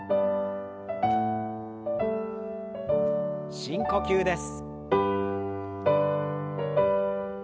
深呼吸です。